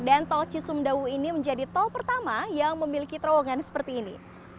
dan tol cisumdawu ini menjadi tol pertama yang memiliki terowongan seperti ini